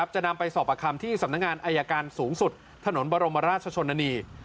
จะนำไปสอบประคัมที่สำนักงานอายการสูงสุดถนนบรมราชชนนานี